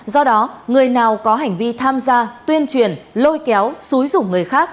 do đó người nào có hành vi tham gia tuyên truyền lôi kéo xúi dụng người khác